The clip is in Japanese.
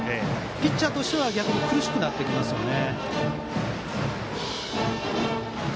ピッチャーとしては逆に苦しくなってきますね。